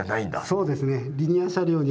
そうですね。